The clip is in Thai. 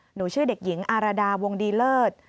หนูชื่อเด็กหญิงอารดาวงดีเลิศ